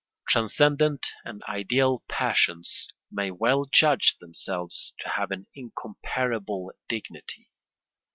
Transcendent and ideal passions may well judge themselves to have an incomparable dignity.